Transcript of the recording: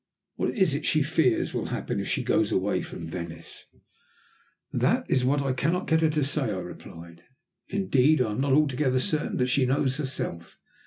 "What is it she fears will happen if she goes away from Venice?" "That is what I cannot get her to say," I replied. "Indeed I am not altogether certain that she knows herself.